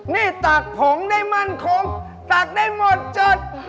นี่ตักผงได้มั่นคงตักได้หมดจด